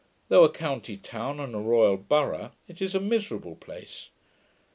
Though a county town and royal burgh, it is a miserable place.